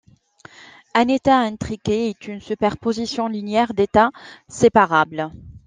Un état intriqué est une superposition linéaire d'états séparables.